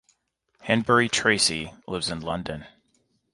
Hanbury-Tracy lives in London.